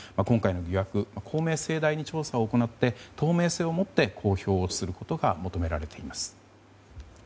今回の疑惑公明正大に調査を行って透明性を持って公表することが求められています。